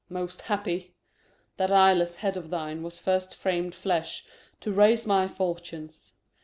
Most happy! That eyeless head of thine was first fram'd flesh To raise my fortunes.